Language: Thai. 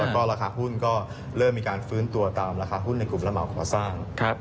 แล้วก็ราคาหุ้นก็เริ่มมีการฟื้นตัวตามราคาหุ้นในกลุ่มระเหมาก่อสร้าง